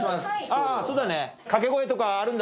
あぁそうだね。